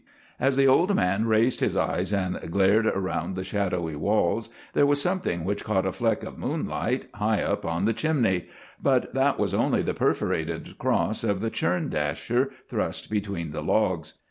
As the old man raised his eyes and glared around the shadowy walls, there was something which caught a fleck of moonlight high up on the chimney, but that was only the perforated cross of the churn dasher thrust between the logs.